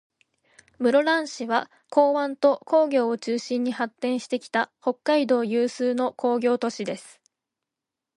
室蘭市は、港湾と工業を中心に発展してきた、北海道有数の工業都市です。